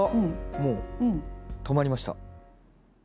もう止まりました。